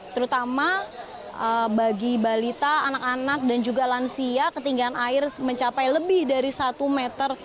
terutama bagi balita anak anak dan juga lansia ketinggian air mencapai lebih dari satu meter